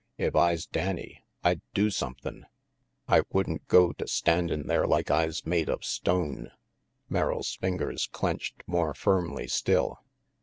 If I's Danny, I'd do sumthin'. I would'n go to standin' there like I's made of stone." Merrill's fingers clenched more firmly still.